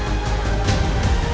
sampai jumpa lagi